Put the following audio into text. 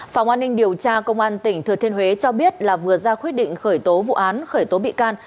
phòng an ninh điều tra công an tỉnh thừa thiên huế cho biết là vừa ra quyết định khởi tố vụ án khởi tố bị can